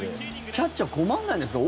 キャッチャー困んないんですか？